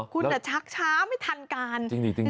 คุณชักช้าไม่ทันการ